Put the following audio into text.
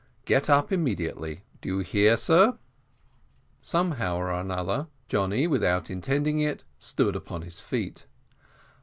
Get up immediately. Do you hear, sir?" Somehow or another, Johnny, without intending it, stood upon his feet.